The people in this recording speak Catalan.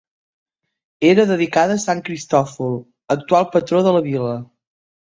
Era dedicada a Sant Cristòfol, actual patró de la vila.